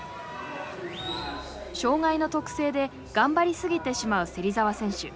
障害の特性で頑張り過ぎてしまう芹澤選手。